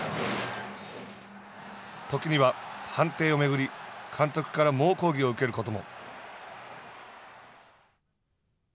時には、判定を巡り監督から猛抗議を受けることも。